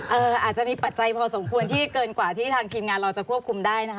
อาจจะมีปัจจัยพอสมควรที่เกินกว่าที่ทางทีมงานเราจะควบคุมได้นะคะ